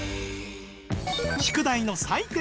宿題の採点